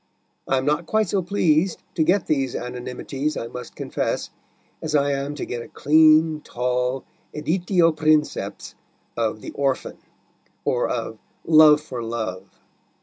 I am not quite so pleased to get these anonymities, I must confess, as I am to get a clean, tall editio princeps of The Orphan or of Love for Love.